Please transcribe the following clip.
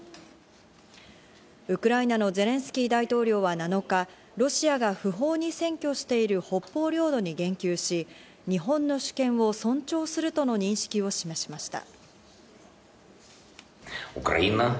ウクライナのゼレンスキー大統領は７日、ロシアが不法に占拠している北方領土に言及し、日本の主権を尊重するとの認識を示しました。